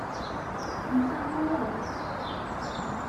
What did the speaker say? Nsan ɣur-s?